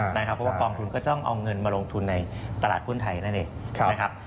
เพราะว่ากองทุนก็ต้องเอาเงินมาลงทุนในตลาดหุ้นไทยนั่นเองนะครับ